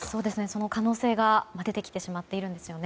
その可能性が出てきてしまっているんです。